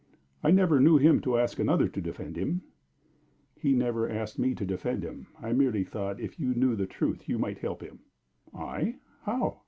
"I never knew him to ask another to defend him." "He never asked me to defend him. I merely thought that if you knew the truth, you might help him." "I? How?"